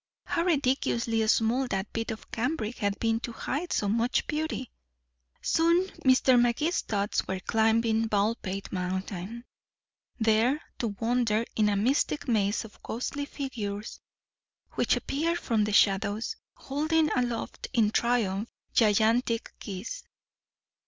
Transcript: How ridiculously small that bit of cambric had been to hide so much beauty. Soon Mr. Magee's thoughts were climbing Baldpate Mountain, there to wander in a mystic maze of ghostly figures which appeared from the shadows, holding aloft in triumph gigantic keys.